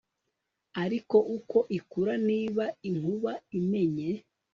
ariko uko ikura, niba inkuba imennye